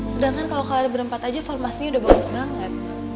sedangkan kalau kalian berempat aja formasinya udah bagus banget